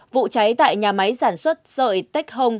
vụ cháy tại nhà máy sản xuất sợi texhong